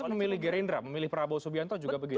kalau memilih gerindra memilih prabowo subianto juga begitu